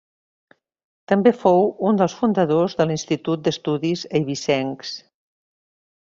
També fou un dels fundadors de l'Institut d'Estudis Eivissencs.